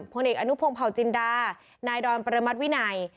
พลเอกอนุพงภาวต์จินทรานายดรประมาทวินัย